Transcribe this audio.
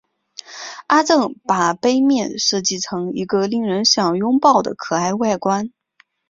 阿正把杯面设计成一个令人想拥抱的可爱外观。